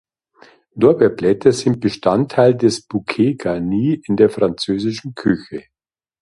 Lorbeerblätter sind Bestandteil des Bouquet garni in der französischen Küche.